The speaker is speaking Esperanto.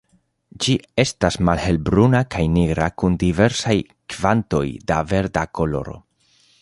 Ĝi estas malhelbruna kaj nigra kun diversaj kvantoj da verda koloro.